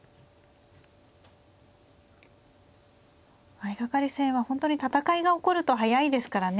相掛かり戦は本当に戦いが起こると速いですからね。